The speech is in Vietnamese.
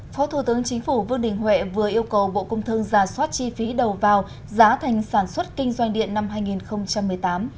phó thủ tướng chính phủ vương đình huệ vừa yêu cầu bộ công thương giả soát chi phí đầu vào giá thành sản xuất kinh doanh điện năm hai nghìn một mươi tám